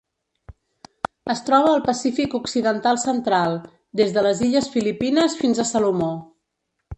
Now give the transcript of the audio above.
Es troba al Pacífic occidental central: des de les illes Filipines fins a Salomó.